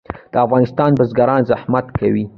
د افغانستان بزګران زحمت کوي